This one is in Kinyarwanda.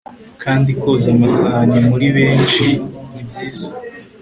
kandi koza amasahani muri beshi nibyiza